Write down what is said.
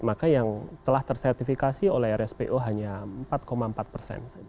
maka yang telah tersertifikasi oleh rspo hanya empat empat persen saja